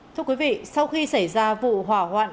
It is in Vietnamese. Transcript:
thưa quý vị sau khi xảy ra vụ hỏa hoạn